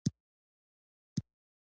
زه ډیر دولتی کارکوونکي پیژنم.